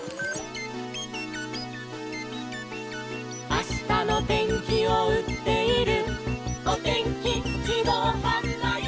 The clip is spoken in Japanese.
「あしたのてんきをうっているおてんきじどうはんばいき」